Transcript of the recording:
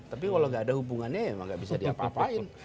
tapi kalau nggak ada hubungannya emang gak bisa diapa apain